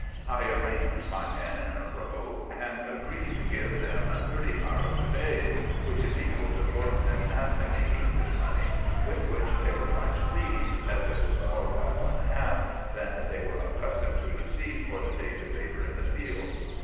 I arranged my men in a row, and agreed to give them thirty paras a day, which is equal to fourpence halfpenny English money, with which they were much pleased, as it was more by one half than they were accustomed to receive for their daily labour in the fields.